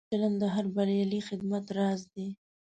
ښه چلند د هر بریالي خدمت راز دی.